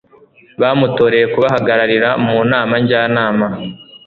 bamutoreye kubahagararira mu Nama Njyanama